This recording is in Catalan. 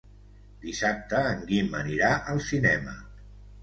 Dissabte en Guim anirà al cinema.